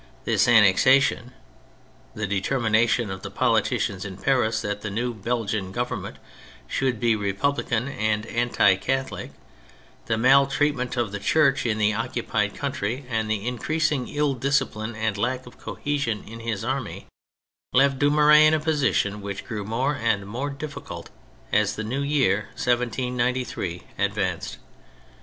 This annexation, the determination of the politicians in Paris that the new Belgian Government should be re* publican and anti Catholic, the maltreatment of the Church in the occupied country and the increasing ill discipline and lack of cohesion in his army, left Dumouriez in a position which grew more and more difficult as the new year, 1793, advanced.